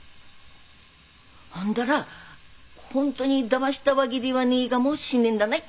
ほんだら本当にだましだわげではねえがもしんねえんだない？